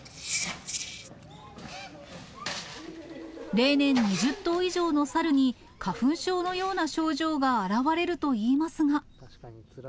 例年、２０頭以上のサルに花粉症のような症状が現れるといいますが。